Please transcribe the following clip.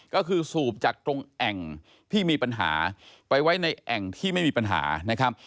ก็คือสูบจากตรงแอ่งที่มีปัญหาไปไว้ในแอ่งที่ไม่มีปัญหานะครับ